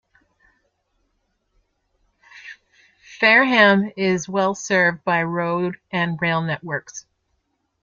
Fareham is well served by road and rail networks.